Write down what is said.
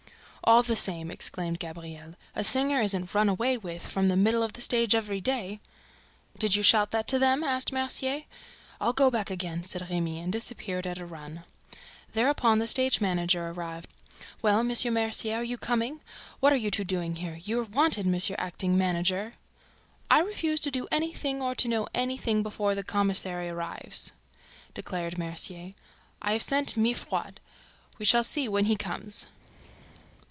"All the same," exclaimed Gabriel, "a singer isn't run away with, from the middle of the stage, every day!" "Did you shout that to them?" asked Mercier, impatiently. "I'll go back again," said Remy, and disappeared at a run. Thereupon the stage manager arrived. "Well, M. Mercier, are you coming? What are you two doing here? You're wanted, Mr. Acting Manager." "I refuse to know or to do anything before the commissary arrives," declared Mercier. "I have sent for Mifroid. We shall see when he comes!"